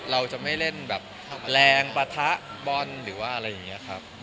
เราจะไม่เล่นแบบแรงปะทะบอลหรือว่าอะไรอย่างนี้ครับ